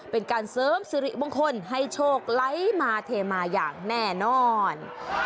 เป็นการเสริมสิริมงคลให้โชคไหลมาเทมาอย่างแน่นอน